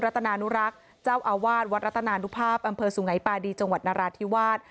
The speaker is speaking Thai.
ัตนานุรักษ์เจ้าอาวาสวัดรัตนานุภาพอำเภอสุงัยปาดีจังหวัดนราธิวาส